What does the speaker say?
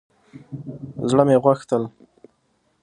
زړه مې غوښتل